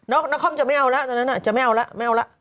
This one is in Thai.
นครจะไม่เอาแล้วตอนนั้นจะไม่เอาแล้วไม่เอาแล้ว